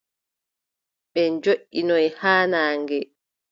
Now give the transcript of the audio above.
Ɓe joʼinoyi haa naange.